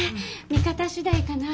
見方次第かな。